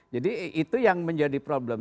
jadi itu yang menjadi problem